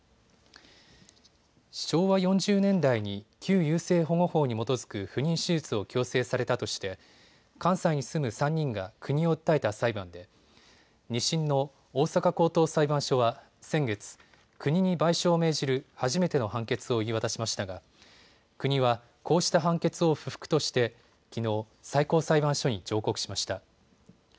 昭和４０年代に旧優生保護法に基づく不妊手術を強制されたとして関西に住む３人が国を訴えた裁判で２審の大阪高等裁判所は先月、国に賠償を命じる初めての判決を言い渡しましたが国はこうした判決を不服としてきのう最高裁判所に上告しました。